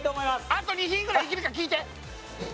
あと２品ぐらいいけるか聞いて！